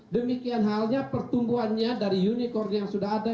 demikian halnya pertumbuhannya dari unicorn yang sudah ada